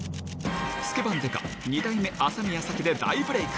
スケバン刑事、２代目、麻宮サキで大ブレーク。